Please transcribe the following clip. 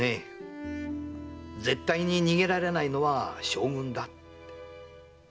絶対に逃げられないのは将軍だ。